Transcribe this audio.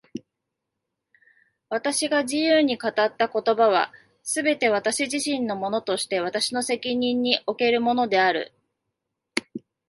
私が自由に語った言葉は、すべて私自身のものとして私の責任におけるものである。